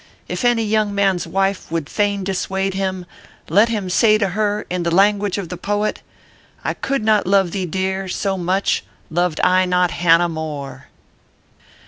If any young man s wife would fain dissuade him, let him say to her, in the language of the poet :" I could not love thee, dear, so much, Loved I not Hannah More.